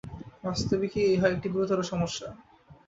বাস্তবিকই ইহা একটি গুরুতর সমস্যা।